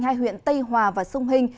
hai huyện tây hòa và xuân hình